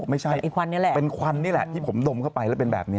เขาบอกว่าไม่ใช่เป็นควันนี่แหละที่ผมดมเข้าไปแล้วเป็นแบบนี้